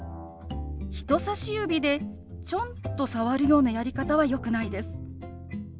人さし指でちょんと触るようなやり方はよくないです。